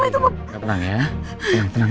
tenang ya tenang